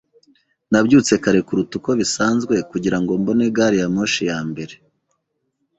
Nabyutse kare kuruta uko bisanzwe kugirango mbone gari ya moshi ya mbere.